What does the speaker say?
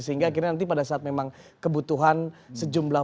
sehingga akhirnya nanti pada saat memang kebutuhan sejumlah